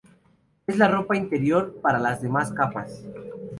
Es la ropa interior para las demás capas.